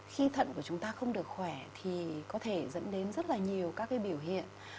khi thận của chúng ta không được khỏe thì có thể dẫn đến rất là nhiều các cái biểu hiện